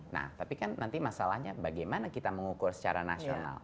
nah tapi kan nanti masalahnya bagaimana kita mengukur secara nasional